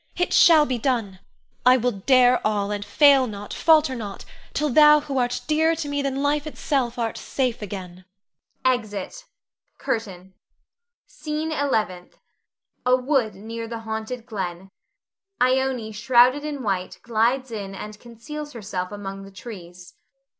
It shall be done! I will dare all, and fail not, falter not, till thou who art dearer to me than life itself art safe again. [Exit. CURTAIN. SCENE ELEVENTH. [A wood near the haunted glen. Ione _shrouded in white glides in and conceals herself among the trees.